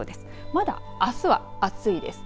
まだあすは暑いです。